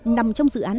nằm trong dự án